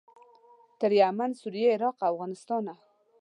تر یمن، سوریې، عراق او افغانستانه.